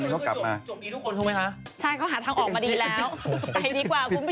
ใช่เขาหาทางออกมาดีแล้ว